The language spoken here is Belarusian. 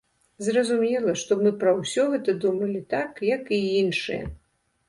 Зразумела, што мы пра ўсё гэта думалі так, як і іншыя.